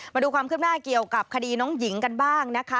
มาดูความขึ้นหน้าเกี่ยวกับคดีน้องหญิงกันบ้างนะคะ